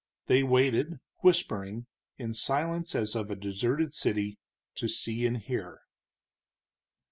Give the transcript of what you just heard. They waited, whispering, in silence as of a deserted city, to see and hear.